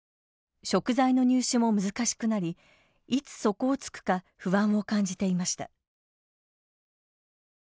食材の入手も難しくなりいつ底をつくか不安を感じていました。